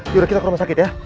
yaudah kita ke rumah sakit ya